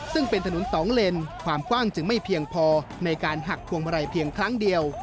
ซึ่งเป็นถนนสองเลนความกว้างจึงไม่เพียงพอในการหักพวงมาลัยเพียงครั้งเดียว